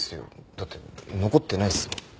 だって残ってないっす。